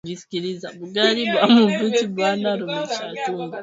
Bukari bwa mubichi buna lumishaka tumbo